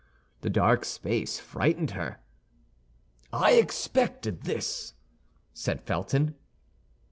The dark space frightened her. "I expected this," said Felton.